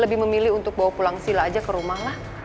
lebih memilih untuk bawa pulang sila aja ke rumah lah